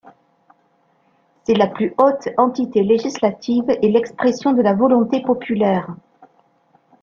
C'est la plus haute entité législative et l'expression de la volonté populaire.